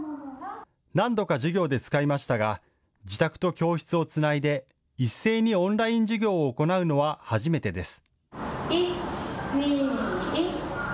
何度か授業で使いましたが自宅と教室をつないで一斉にオンライン授業を行うのは初めてです。